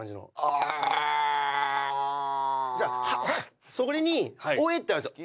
じゃあそれに「オエッ！」ってやるんですよ。